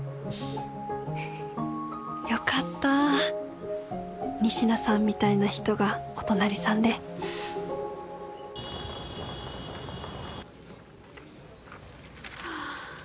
よかった仁科さんみたいな人がお隣さんではぁ。